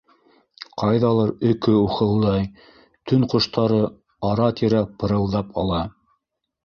Ҡайҙалыр өкө ухылдай, төн ҡоштары ара-тирә пырылдап ала.